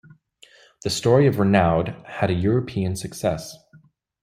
The story of Renaud had a European success.